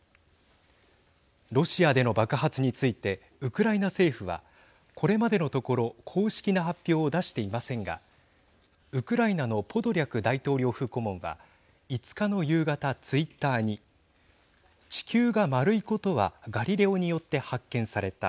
ロシアでの爆発についてウクライナ政府はこれまでのところ公式な発表を出していませんがウクライナのポドリャク大統領府顧問は５日の夕方、ツイッターに地球が丸いことはガリレオによって発見された。